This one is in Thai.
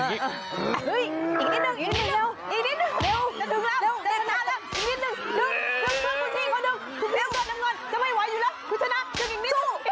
อีกนิดหนึ่งเยี่ยม